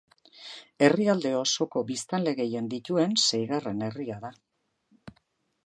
Herrialde osoko biztanle gehien dituen seigarren herria da.